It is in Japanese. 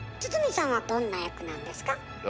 堤さんはどんな役なんですか？